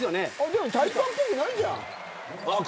でも体育館っぽくないじゃない。